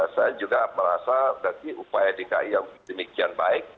saya juga merasa berarti upaya dki yang demikian baik